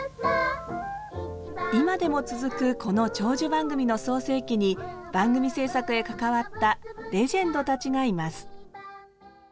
今でも続くこの長寿番組の創成期に番組制作へ関わったレジェンドたちがいます。